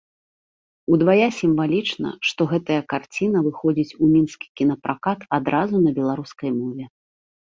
Удвая сімвалічна, што гэтая карціна выходзіць у мінскі кінапракат адразу на беларускай мове.